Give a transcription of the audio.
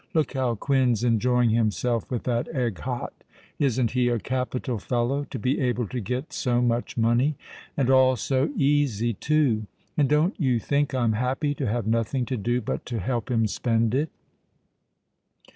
Look how Quin's enjoying himself with that egg hot. Isn't he a capital fellow to be able to get so much money—and all so easy too? and don't you think I'm happy to have nothing to do but to help him spend it?"